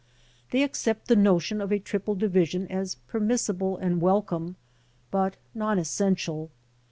They accept the notion of a triple division as permissible and welcome, but non essential.